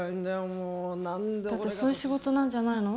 もうだってそういう仕事なんじゃないの？